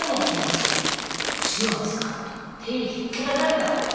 手話使うと手ひっぱたかれたって。